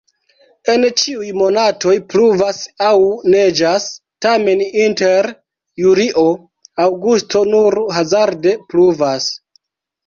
En ĉiuj monatoj pluvas aŭ neĝas, tamen inter julio-aŭgusto nur hazarde pluvas.